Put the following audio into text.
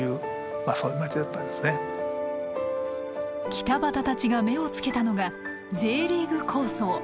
北畑たちが目をつけたのがＪリーグ構想。